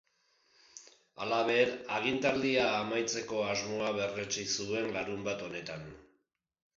Halaber, agintaldia amaitzeko asmoa berretsi zuen larunbat honetan.